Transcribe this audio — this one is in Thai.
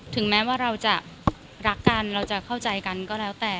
ถึงแม้ว่าเราจะรักกันเราจะเข้าใจกันก็แล้วแต่